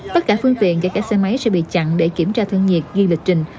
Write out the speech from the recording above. tất cả phương tiện và các xe máy sẽ bị chặn để kiểm tra thương nhiệt ghi lịch trình